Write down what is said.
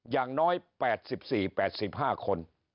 อย่างน้อย๘๔๘๕คน